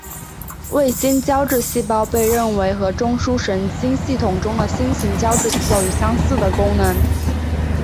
卫星胶质细胞被认为和中枢神经系统中的星型胶质细胞有相似的功能。